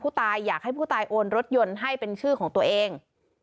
อยากให้ผู้ตายโอนรถยนต์ให้เป็นชื่อของตัวเอง